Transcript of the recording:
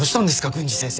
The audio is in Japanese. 郡司先生。